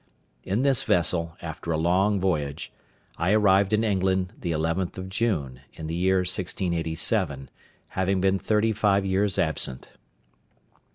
In this vessel, after a long voyage, I arrived in England the 11th of June, in the year 1687, having been thirty five years absent.